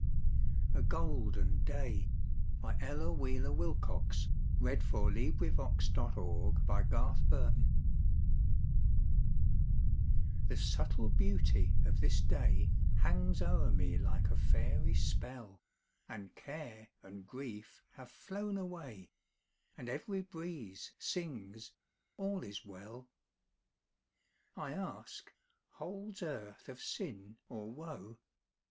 A Golden Day An Ella Wheeler Wilcox Poem A GOLDEN DAY The subtle beauty of this day Hangs o'er me like a fairy spell, And care and grief have flown away, And every breeze sings, "All is well." I ask, "Holds earth of sin, or woe?"